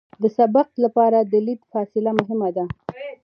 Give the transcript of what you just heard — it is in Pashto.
د سبقت لپاره د لید فاصله مهمه ده